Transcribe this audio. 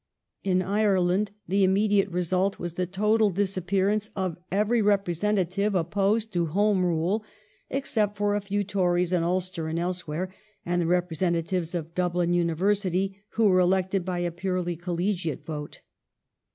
In Ireland the imme diate result was the total disappearance of every representative opposed to Home Rule, except for a few Tories in Ulster and elsewhere, and the representatives of Dublin University who are elected by a purely collegiate vote.